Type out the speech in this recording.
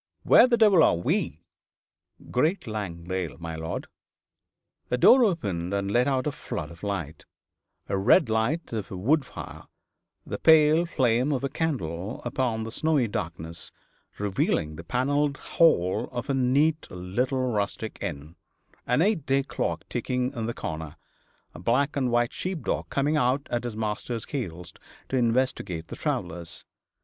Where the devil are we?' 'Great Langdale, my lord.' A door opened and let out a flood of light the red light of a wood fire, the pale flame of a candle upon the snowy darkness, revealing the panelled hall of a neat little rustic inn: an eight day clock ticking in the corner, a black and white sheep dog coming out at his master's heels to investigate the travellers.